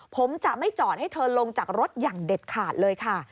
ผมจะไม่จอดให้เธอลงจากรถอย่างเด็ดขาดเลยค่ะ